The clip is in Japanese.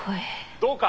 「どうか」